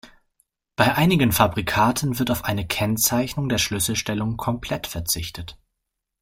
Bei einigen Fabrikaten wird auf eine Kennzeichnung der Schlüsselstellungen komplett verzichtet.